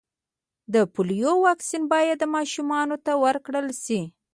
د پولیو واکسین باید و ماشومانو ته ورکړل سي.